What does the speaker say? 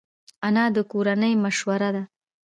انا د کورنۍ مشوره ده